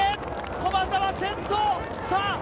駒澤、先頭！